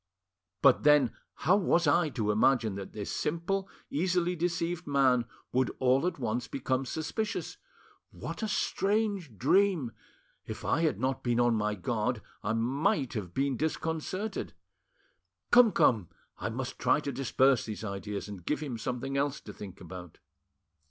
But then, how was I to imagine that this simple, easily deceived man would all at once become suspicious? What a strange dream! If I had not been on my guard, I might have been disconcerted. Come, come, I must try to disperse these ideas and give him something else to think about."